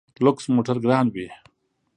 لوکس موټر ګران وي.